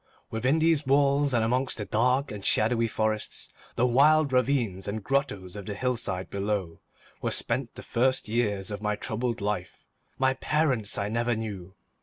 Within these walls, and amongst the dark and shadowy forests, the wild ravines and grottoes of the hillside below, were spent the first years of my troubled life. My parents I never knew.